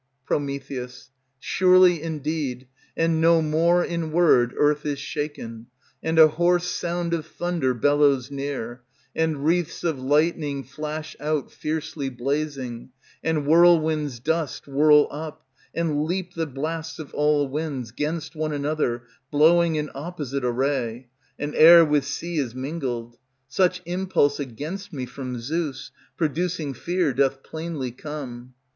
Pr. Surely indeed, and no more in word, Earth is shaken; And a hoarse sound of thunder Bellows near; and wreaths of lightning Flash out fiercely blazing, and whirlwinds dust Whirl up; and leap the blasts Of all winds, 'gainst one another Blowing in opposite array; And air with sea is mingled; Such impulse against me from Zeus, Producing fear, doth plainly come.